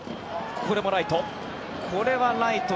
これもライト。